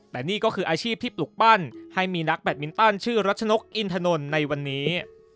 แต่นี่ก็คืออาชีพที่ปลุกปั้นให้มีนักแบตมินตันชื่อรัชนกอินทนนท์ในวันนี้